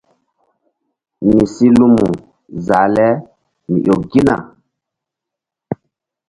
Mi si lumu zah le mi ƴo gina.